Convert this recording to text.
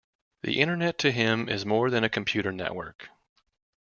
The Internet to him is more than a computer network.